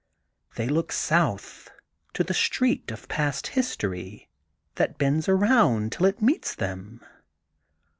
They look south to the Street of Past History that bends around till it meets them.